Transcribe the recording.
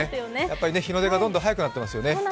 やっぱり日の出がどんどん早くなっていますよね。